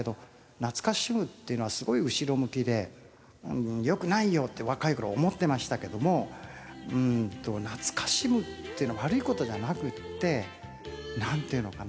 懐かしむっていうのはすごい後ろ向きでよくないよって若い頃思っていましたけども懐かしむっていうのは悪い事じゃなくてなんていうのかな。